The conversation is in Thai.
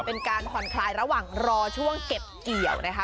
เป็นการผ่อนคลายระหว่างรอช่วงเก็บเกี่ยวนะคะ